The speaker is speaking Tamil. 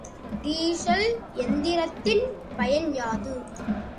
டீசல் எந்திரத்தின் பயன் யாது?